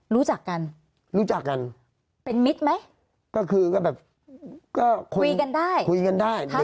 รู้จักกันรู้จักกันเป็นมิตรไหมก็คือก็แบบก็คุยกันได้คุยกันได้